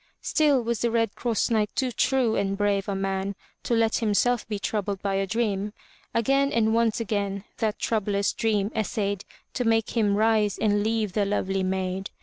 Still was the Red Cross Knight too true and brave a man to let himself be troubled by a dream. Again and once again that troublous dream essayed to make him rise and leave the lovely maid.